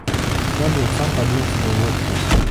Швабрин сам поднес ему водки.